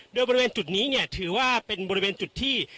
โดยบริเวณจุดนี้เนี่ยถือว่าเป็นบริเวณจุดที่